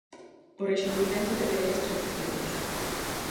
O rexurdimento de vellas tradicións.